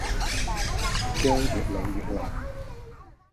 薑越老越辣